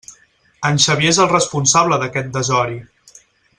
En Xavier és el responsable d'aquest desori!